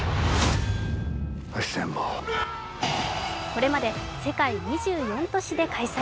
これまで世界２４都市で開催。